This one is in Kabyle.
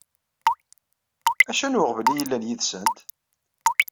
Acu n weɣbel i yellan yid-sent?